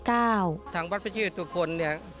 ทางวัดประเทศทุกคนเนี่ย